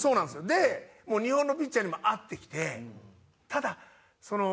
で日本のピッチャーにも合ってきて。